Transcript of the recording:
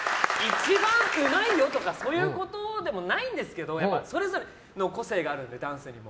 一番うまいよとかそういうことでもないんですけどそれぞれの個性があるんでダンスにも。